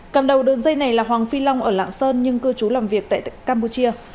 cầm đầu đường dây này là hoàng phi long ở lạng sơn nhưng cư trú làm việc tại campuchia